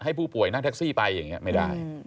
ผู้ป่วยนั่งแท็กซี่ไปอย่างนี้ไม่ได้